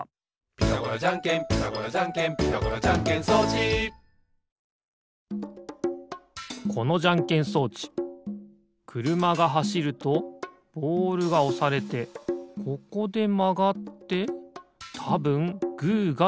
「ピタゴラじゃんけんピタゴラじゃんけん」「ピタゴラじゃんけん装置」このじゃんけん装置くるまがはしるとボールがおされてここでまがってたぶんグーがでる。